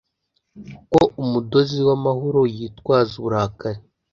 Ko umudozi-wamahoroyitwaza uburakari